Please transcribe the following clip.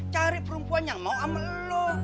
cari perempuan yang mau sama lo